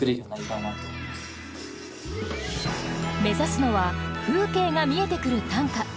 目指すのは風景が見えてくる短歌。